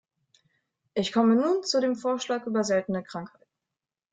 Ich komme nun zu dem Vorschlag über seltene Krankheiten.